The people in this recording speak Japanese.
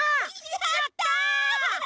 わやった！